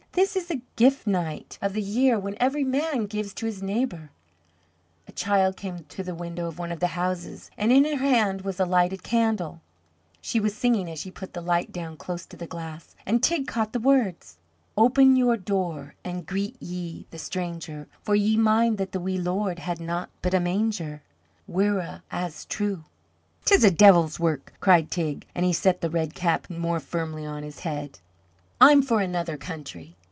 This is the Gift Night of the year, when every man gives to his neighbour." A child came to the window of one of the houses, and in her hand was a lighted candle. She was singing as she put the light down close to the glass, and Teig caught the words: "Open your door an' greet ye the stranger For ye mind that the wee Lord had naught but a manger. Mhuire as truagh!" "'Tis the de'il's work!" cried Teig, and he set the red cap more firmly on his head. "I'm for another country."